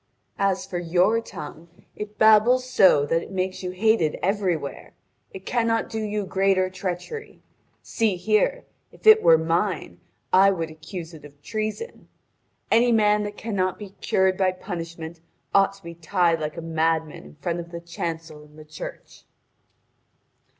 As for your tongue, it babbles so that it makes you hated everywhere. It cannot do you greater treachery. See here: if it were mine, I would accuse it of treason. Any man that cannot be cured by punishment ought to be tied like a madman in front of the chancel in the church."